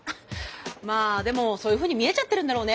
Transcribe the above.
まあでもそういうふうに見えちゃってるんだろうね